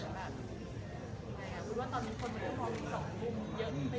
จริงเราไม่ได้รู้แบบแบบเก่าเลย